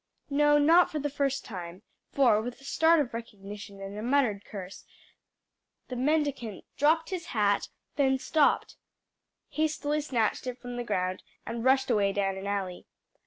No, not for the first time; for, with a start of recognition and a muttered curse, the mendicant dropped his hat, then stooped, hastily snatched it from the ground, and rushed away down an alley.